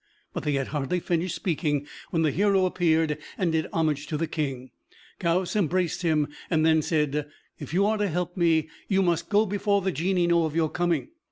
But they had hardly finished speaking when the hero appeared, and did homage to the King. Kaoüs embraced him, and then said: "If you are to help me, you must go before the Genii know of your coming.